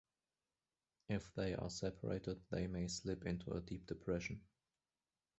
If they are separated, they may slip into a deep depression.